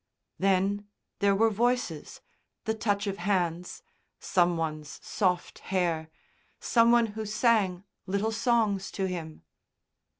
Then there were voices, the touch of hands, some one's soft hair, some one who sang little songs to him.